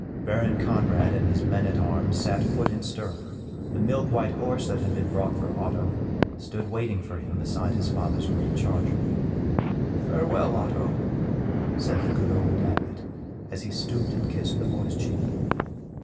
Baron Conrad and his men at arms sat foot in stirrup, the milk white horse that had been brought for Otto stood waiting for him beside his father's great charger. "Farewell, Otto," said the good old Abbot, as he stooped and kissed the boy's cheek.